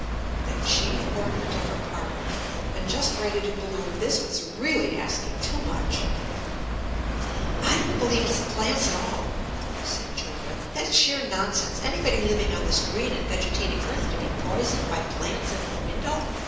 The chief ornament of her parlors! And just ready to bloom! This was really asking too much. "I don't believe it's the plants at all," said Julia. "That's sheer nonsense. Anybody living on this green and vegetating earth to be poisoned by plants in a window!